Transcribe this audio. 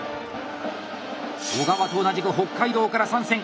小川と同じく北海道から参戦！